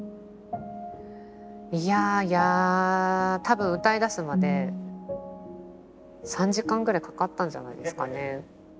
いや多分歌いだすまで３時間ぐらいかかったんじゃないですかね。